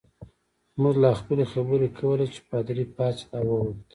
موږ لا خپلې خبرې کولې چې پادري پاڅېد او ووت.